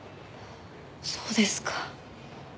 そうですか。